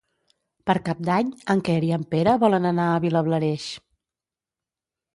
Per Cap d'Any en Quer i en Pere volen anar a Vilablareix.